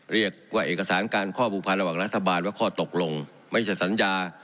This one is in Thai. เรียกว่าเอกสารการข้อผูกพันธ์ระหว่างรัฐบาลว่าข้อตกลงไม่ใช่สัญญา